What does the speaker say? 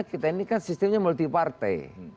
kita ini kan sistemnya multi partai